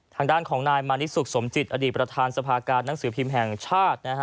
ทางด้านของนายมานิสุขสมจิตอดีตประธานสภาการหนังสือพิมพ์แห่งชาตินะฮะ